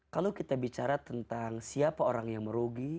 kalau kita bicara tentang siapa orang yang merugi